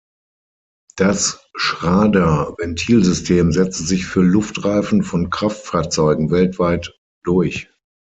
Das Schrader-Ventilsystem setzte sich für Luftreifen von Kraftfahrzeugen weltweit durch.